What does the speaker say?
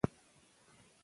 موږ باید فعال اوسو.